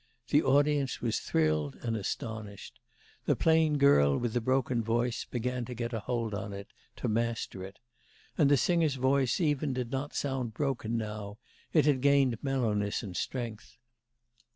The audience was thrilled and astonished. The plain girl with the broken voice began to get a hold on it, to master it. And the singer's voice even did not sound broken now; it had gained mellowness and strength.